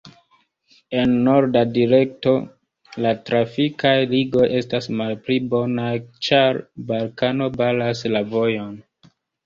En norda direkto la trafikaj ligoj estas malpli bonaj, ĉar Balkano baras la vojon.